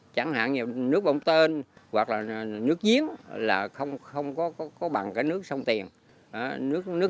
chẳng hạn như nước bông tên hoặc là nước giếng là không có bằng cả nước sông tiền nước nước